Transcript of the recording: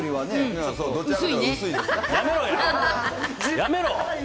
やめろ。